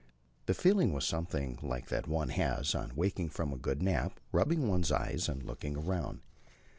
The feeling was something like that one has on waking from a good nap, rubbing one's eyes and looking around.